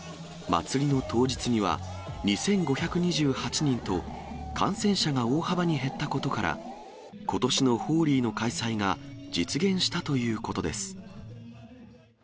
祭りの当日には、２５２８人と、感染者が大幅に減ったことから、ことしのホーリーの開催が実現したということです。